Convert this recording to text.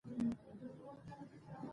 پښتانه مشران تل د احمدشاه بابا تر څنګ وو.